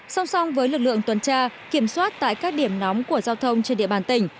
song song với lực lượng tuần tra kiểm soát tại các điểm nóng của giao thông trên địa bàn tỉnh